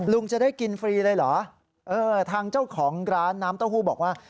ลุงจะได้กินฟรีเลยเหรอเออทางเจ้าของร้านน้ำเต้าหู้บอกว่า